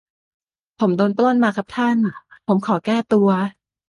ผมโดนปล้นมาครับท่าน ผมขอแก้ตัว